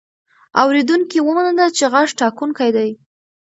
اورېدونکي ومنله چې غږ ټاکونکی دی.